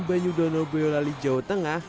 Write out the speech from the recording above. banyu dono boyolali jawa tengah